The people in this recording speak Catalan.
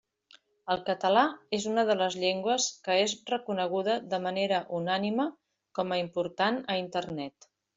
El català és una de les llengües que és reconeguda de manera unànime com a important a Internet.